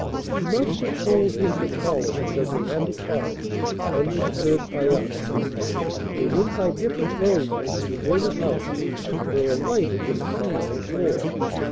She must have told him to follow because they had to talk, undisturbed by us. They went by different roads to the deserted house where a light had been seen before.